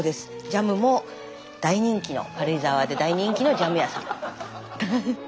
ジャムも大人気の軽井沢で大人気のジャム屋さん。